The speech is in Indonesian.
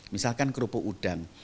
misalkan kerupuk udang